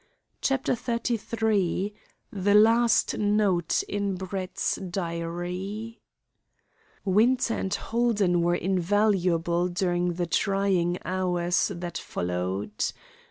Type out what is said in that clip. CHAPTER XXXIII THE LAST NOTE IN BRETT'S DIARY Winter and Holden were invaluable during the trying hours that followed.